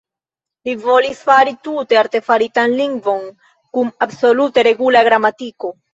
Li volis fari tute artefaritan lingvon kun absolute regula gramatiko.